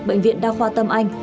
bệnh viện đa khoa tâm anh